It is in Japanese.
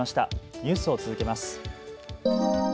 ニュースを続けます。